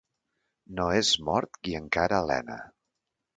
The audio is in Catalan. No és mort qui encara alena.